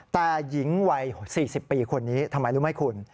แต่หญิงวัย๔๐ปีคนนี้ทำไมรู้ไหมคุณ